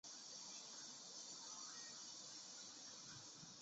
而后转任为新丰郡保安卫生系。